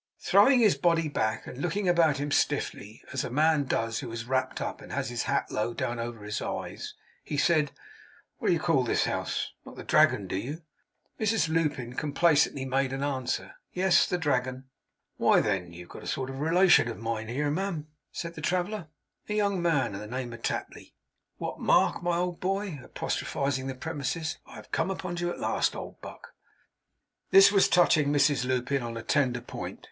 Throwing his body back, and looking about him stiffly, as a man does who is wrapped up, and has his hat low down over his eyes, he said: 'What do you call this house? Not the Dragon, do you?' Mrs Lupin complacently made answer, 'Yes, the Dragon.' 'Why, then, you've got a sort of a relation of mine here, ma'am,' said the traveller; 'a young man of the name of Tapley. What! Mark, my boy!' apostrophizing the premises, 'have I come upon you at last, old buck!' This was touching Mrs Lupin on a tender point.